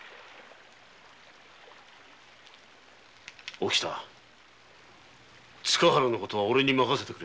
おきた塚原のことは俺に任せてくれ。